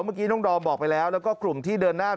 เมื่อกี้น้องดอมบอกไปแล้วแล้วก็กลุ่มที่เดินหน้า